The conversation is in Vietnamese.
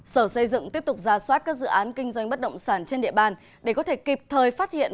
sở xây dựng tiếp tục ra soát các dự án kinh doanh bất động sản trên địa bàn để có thể kịp thời phát hiện